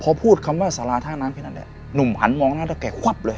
พอพูดคำว่าสาราท่าน้ำแค่นั้นแหละหนุ่มหันมองหน้าแล้วแกควับเลย